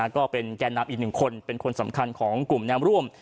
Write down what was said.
ก็เป็นแก่นำอีกหนึ่งคนเป็นคนสำคัญของกลุ่มแนมร่วม